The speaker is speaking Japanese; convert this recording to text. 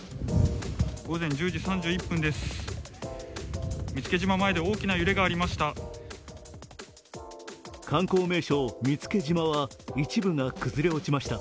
午前１０時３１分です、見附島前で大きな揺れがありました。